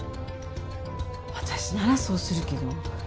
私ならそうするけど。